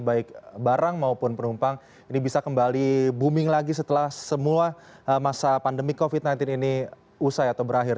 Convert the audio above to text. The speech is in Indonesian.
baik barang maupun penumpang ini bisa kembali booming lagi setelah semua masa pandemi covid sembilan belas ini usai atau berakhir